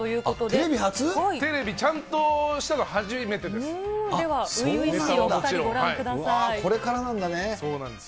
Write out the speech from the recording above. テレビ初？テレビ、ちゃんとしたのは初めてです。